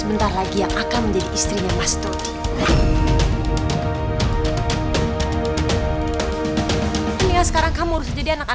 dengar ya kamu sudah menerima surat saya dari pengacara kami kan